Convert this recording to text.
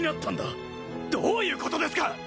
どういうことですか！？